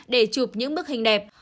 để chụp những bức hình đẹp